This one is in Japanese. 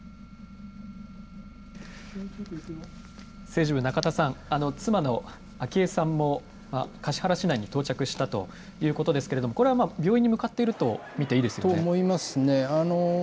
政治部、中田さん、妻の昭恵さんも橿原市内に到着したということですけれども、これは病院に向かっていると見ていいですよね。と思いますね。